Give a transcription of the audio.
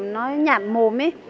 nó nhạt mồm ý